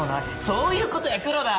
そういうことや黒田！